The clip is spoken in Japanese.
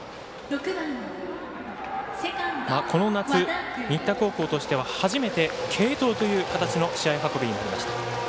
この夏、新田高校としては初めて継投という形の試合運びになりました。